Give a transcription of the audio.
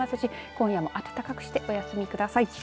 今夜も暖かくしてお休みください。